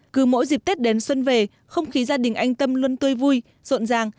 cứ mỗi dịp tết đến xuân về không khí gia đình anh tâm luôn tươi vui rộn ràng